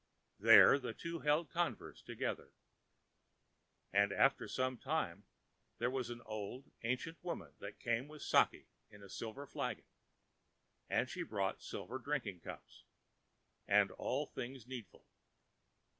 Here the two held converse together. And after some time there was an old ancient woman that came with sakûˋ in a silver flagon; and she brought silver drinking cups and all things needful.